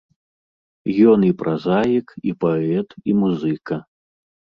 Ён і празаік, і паэт, і музыка.